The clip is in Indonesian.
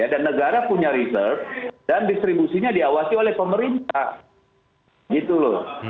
dan negara punya reserve dan distribusinya diawasi oleh pemerintah gitu loh